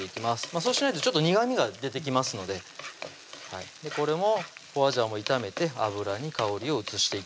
そうしないとちょっと苦みが出てきますのでこれも花椒も炒めて油に香りを移していきます